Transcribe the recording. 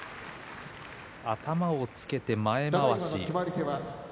頭をつけて前まわし。